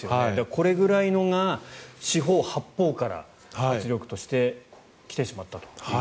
これぐらいのが四方八方から圧力として来てしまったと。